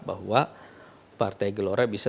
bahwa partai gelora bisa